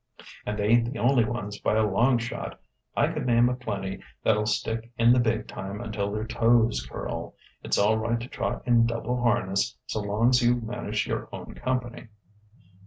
And they ain't the only ones by a long shot. I could name a plenty that'll stick in the big time until their toes curl. It's all right to trot in double harness so long's you manage your own company."